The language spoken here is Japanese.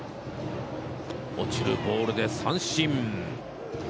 落ちるボールで三振！